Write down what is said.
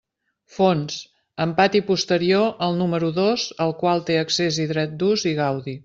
Fons: amb pati posterior al número dos al qual té accés i dret d'ús i gaudi.